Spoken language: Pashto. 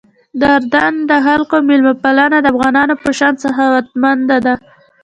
د اردن د خلکو میلمه پالنه د افغانانو په شان سخاوتمندانه ده.